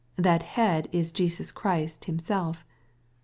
That head is Jesus Christ Himself.